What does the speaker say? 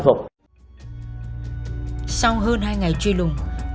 sau hơn hai ngày truy lùng cuối cùng các chân sát cũng đã tìm ra được đối tượng dũng